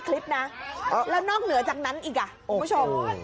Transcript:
คลิปนะแล้วนอกเหนือจากนั้นอีกอ่ะคุณผู้ชม